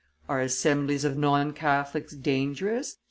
"Are assemblies of non Catholics dangerous?"